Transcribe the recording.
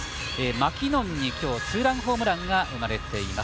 マキノンにツーランホームランが生まれています。